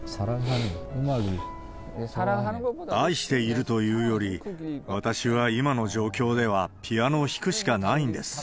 愛しているというより、私は今の状況では、ピアノを弾くしかないんです。